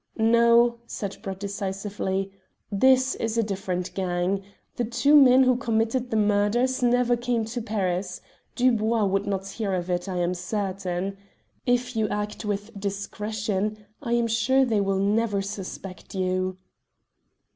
"No," said Brett decisively. "This is a different gang. The two men who committed the murders never came to Paris. Dubois would not hear of it, I am certain. If you act with discretion, I am sure they will never suspect you."